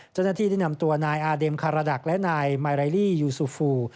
เจ้าหน้าที่ได้นำตัวนายอาเดมคาราดักและนายมายไรลี่ยูซูฟู